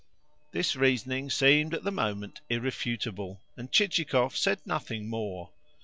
This reasoning seemed, at the moment, irrefutable, and Chichikov said nothing more.